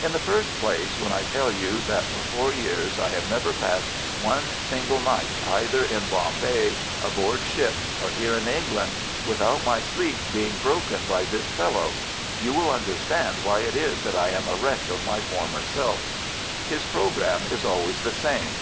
In the first place, when I tell you that for four years I have never passed one single night, either in Bombay, aboard ship, or here in England without my sleep being broken by this fellow, you will understand why it is that I am a wreck of my former self. His programme is always the same.